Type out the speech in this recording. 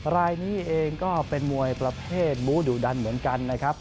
รายนี้เองก็เป็นมวยประเภทบู้ดุดันเหมือนกันนะครับ